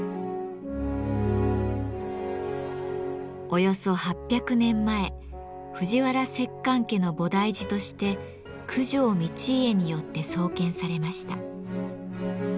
およそ８００年前藤原摂関家の菩提寺として九条道家によって創建されました。